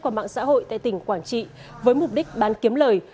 qua mạng xã hội tại tỉnh quảng trị với mục đích bán kiếm lời